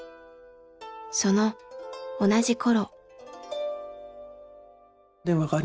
その同じ頃。